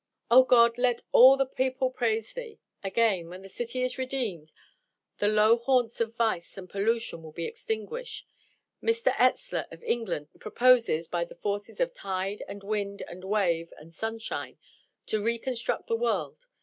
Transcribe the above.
"O God! let all the people praise thee!" Again: when the city is redeemed, the low haunts of vice and pollution will be extinguished. Mr. Etzler, of England, proposes, by the forces of tide, and wind, and wave, and sunshine, to reconstruct the world.